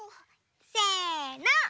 せの。